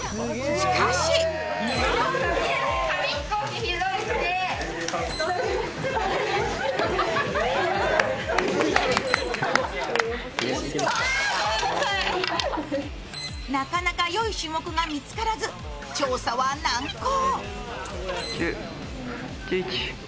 しかしなかなかよい種目が見つからず調査は難航。